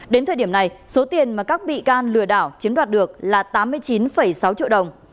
đến thời điểm này số tiền mà các bị can lừa đảo chiếm đoạt được là tám mươi chín sáu triệu đồng